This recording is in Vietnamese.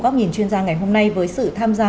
góc nhìn chuyên gia ngày hôm nay với sự tham gia